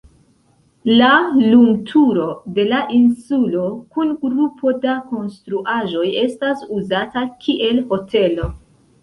La lumturo de la insulo kun grupo da konstruaĵoj etas uzata kiel hotelo.